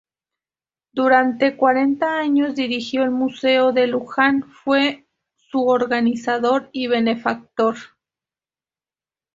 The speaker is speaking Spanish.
Durante cuarenta años dirigió el Museo de Luján, fue su organizador y benefactor.